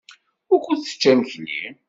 Wukud tečča imekli?